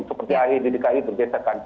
seperti ae di dki bergeserkan